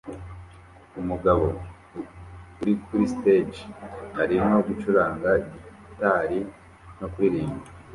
Umugabo uri kuri stage arimo gucuranga gitari no kuririmba